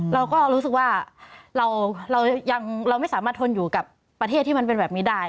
เราก็รู้สึกว่าเราไม่สามารถทนอยู่กับประเทศที่มันเป็นแบบนี้ได้